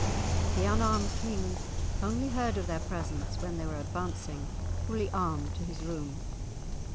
The unarmed king only heard of their presence when they were advancing, fully armed, to his room.